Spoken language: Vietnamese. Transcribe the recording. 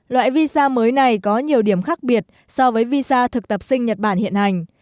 loại visa mới này có nhiều điểm khác biệt so với visa thực tập sinh nhật bản hiện hành